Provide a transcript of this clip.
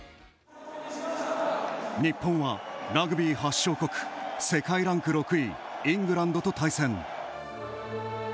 日本はラグビー発祥国世界ランク６位イングランドと対戦。